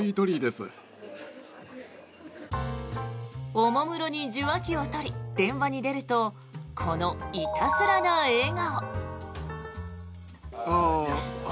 おもむろに受話器を取り電話に出るとこのいたずらな笑顔。